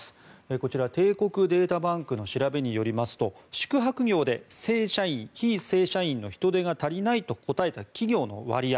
こちら、帝国データバンクの調べによりますと宿泊業で正社員・非正社員の人手が足りないと答えた企業の割合